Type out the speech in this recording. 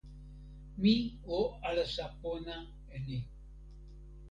mi o alasa pona e ni.